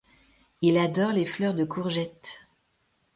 Il adore les fleurs de courgette.